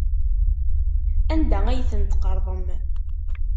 Anda ay ten-tqerḍem?